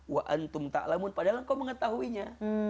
wa'antum ta'lamun padahal engkau mengetahuinya